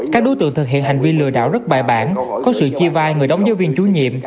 các đối tượng thực hiện hành vi lừa đảo rất bài bản có sự chia vai người đóng giáo viên chú nhiệm